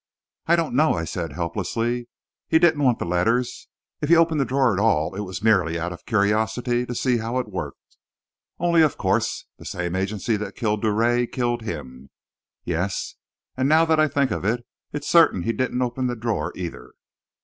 "I don't know," I said, helplessly. "He didn't want the letters if he opened the drawer at all, it was merely out of curiosity to see how it worked. Only, of course, the same agency that killed Drouet, killed him. Yes and now that I think of it, it's certain he didn't open the drawer, either."